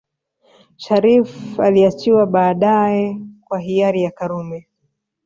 Shariff aliachiwa baadae kwa hiari ya Karume